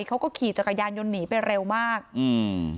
เขาก็ขี่จักรยานยนต์หนีไปเร็วมากอืม